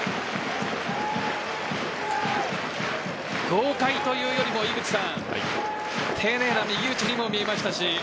豪快というよりも丁寧な右打ちにも見えましたし。